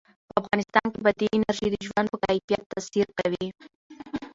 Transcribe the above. په افغانستان کې بادي انرژي د ژوند په کیفیت تاثیر کوي.